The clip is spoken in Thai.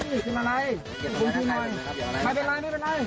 คุณทิ้งหน่อยไม่เป็นไร